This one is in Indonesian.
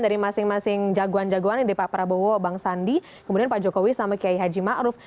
dari masing masing jagoan jagoan yang ada pak prabowo bang sandi kemudian pak jokowi sama kiai haji ma'ruf